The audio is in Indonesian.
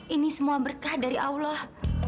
ini semua berkah dari allah